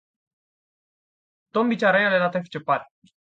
Tom bicaranya relatif cepat.